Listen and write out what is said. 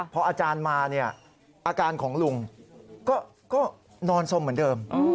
พออาจารย์มาเนี่ยอาการของลุงก็นอนสมเหมือนเดิม